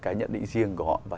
cái nhận định riêng của họ